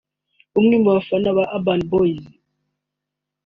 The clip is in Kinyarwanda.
umwe mu bafana ba Urban Boyz